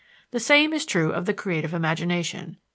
The same is true of the creative imagination.